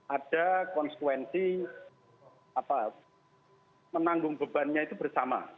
ada konsekuensi menanggung bebannya itu bersama